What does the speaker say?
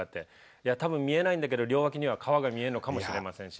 いや多分見えないんだけど両脇には川が見えるのかもしれませんし。